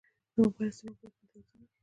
د موبایل استعمال باید متوازن وي.